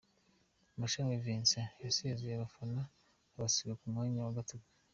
Mashami Vincent yasezeye abafana, abasiga ku mwanya wa gatanu.